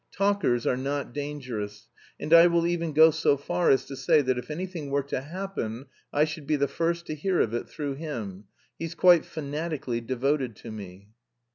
Talkers are not dangerous, and I will even go so far as to say that if anything were to happen I should be the first to hear of it through him. He's quite fanatically devoted to me."